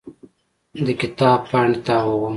د کتاب پاڼې تاووم.